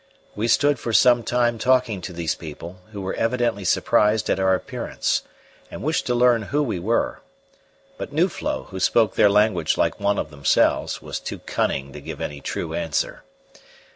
We stood for some time talking to these people, who were evidently surprised at our appearance, and wished to learn who we were; but Nuflo, who spoke their language like one of themselves, was too cunning to give any true answer.